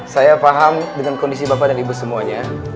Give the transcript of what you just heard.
saya paham dengan kondisi bapak dan ibu semuanya